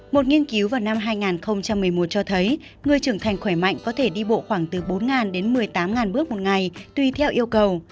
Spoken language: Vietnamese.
một nghiên cứu vào năm hai nghìn một mươi một cho thấy người trưởng thành khỏe mạnh có thể đi bộ khoảng từ bốn đến một mươi tám bước một ngày tùy theo yêu cầu